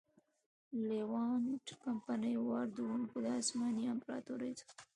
لېوانټ کمپنۍ واردوونکو له عثماني امپراتورۍ څخه.